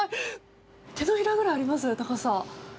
手のひらくらいありますね高さ。